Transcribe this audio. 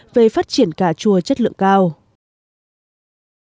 về phát triển cà chua chất lượng cao